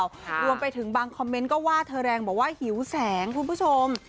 รวมไปถึงบางคอมเมนต์ก็ว่าเธอแรงบอกว่าหิวแสงคุณผู้ชม